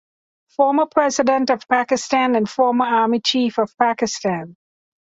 Former President of Pakistan and Former Army chief of Pakistan